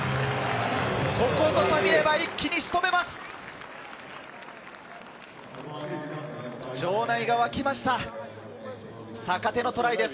ここぞと見れば一気に仕留めます！